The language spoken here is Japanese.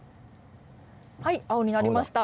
青になりました。